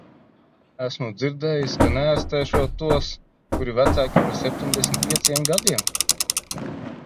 Esmu dzirdējis, ka neārstēšot tos, kuri vecāki par septiņdesmit pieciem gadiem.